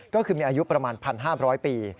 ก็คือมีอายุประมาณ๑๕๐๐ปี